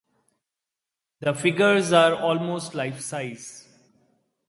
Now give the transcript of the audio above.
The figures are almost life-size.